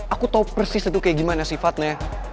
aku tahu persis itu kayak gimana sifatnya